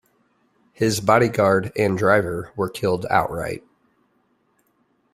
His bodyguard and driver were killed outright.